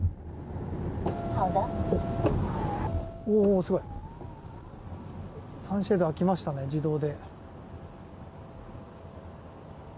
すごい、サンシェードが開きましたね、自動で。